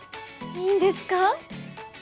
いいんですか？